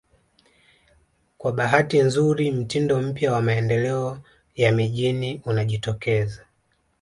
Kwa bahati nzuri mtindo mpya wa maendeleo ya mijini unajitokeza